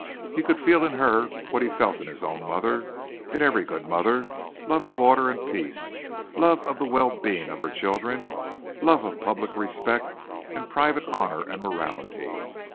He could feel in her what he felt in his own mother in every good mother love of order and peace, love of the well being of her children, love of public respect and private honor and morality.